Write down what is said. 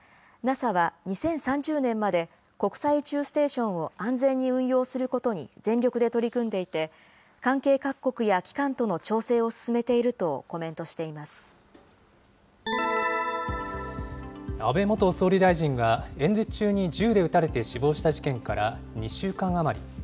ＮＡＳＡは２０３０年まで国際宇宙ステーションを安全に運用することに全力で取り組んでいて、関係各国や機関との調整を進めてい安倍元総理大臣が演説中に銃で撃たれて死亡した事件から２週間余り。